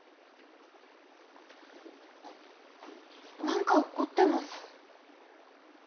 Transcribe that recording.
何か怒ってます？